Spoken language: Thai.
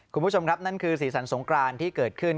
คุณผู้ชมครับนั่นคือสีสันสงครานที่เกิดขึ้น